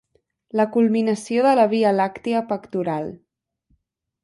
La culminació de la via làctia pectoral.